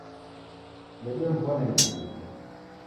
Dedemw'ona ighuo.